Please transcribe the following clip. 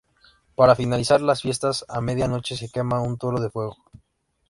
Para finalizar las fiestas, a media noche se quema un toro de fuego.